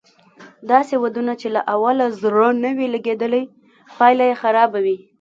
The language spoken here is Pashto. داسې ودونه چې له اوله زړه نه وي لګېدلی پايله یې خرابه وي